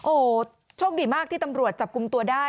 โอ้โหโชคดีมากที่ตำรวจจับกลุ่มตัวได้